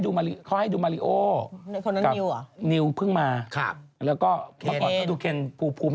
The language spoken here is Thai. นี่ใกล้อย่าทิ้งขี้ให้พวกฉันรับมือ